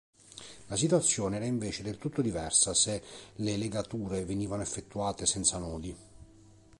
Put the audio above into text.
La situazione era invece del tutto diversa se le legature venivano effettuate senza nodi.